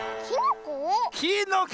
きのこ？